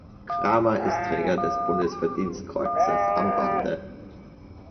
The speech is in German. Cramer ist Träger des Bundesverdienstkreuzes am Bande.